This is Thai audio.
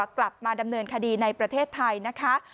กลับมาดำเนินคดีในประเทศไทยนะคะ